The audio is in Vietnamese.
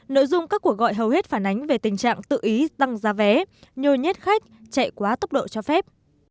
nội dung các cuộc gọi hầu hết phản ánh về tình trạng tự ý tăng giá vé nhồi nhét khách chạy quá tốc độ cho phép